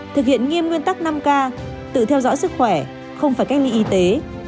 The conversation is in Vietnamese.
thực hiện nghiêm nguyên tắc năm k tự theo dõi sức khỏe không phải cách ly y tế